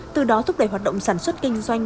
từ đó thúc đẩy hoạt động sản xuất kinh doanh